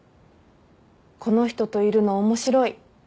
この人といるの面白い。